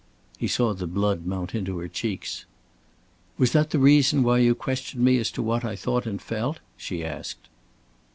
He saw the blood mount into her cheeks. "Was that the reason why you questioned me as to what I thought and felt?" she asked.